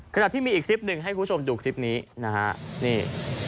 ขณะที่มีอีกคลิปหนึ่งให้คุณผู้ชมดูคลิปนี้นะฮะนี่